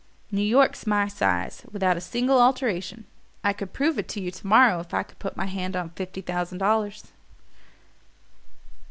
New York's my size without a single alteration. I could prove it to you to morrow if I could put my hand on fifty thousand dollars."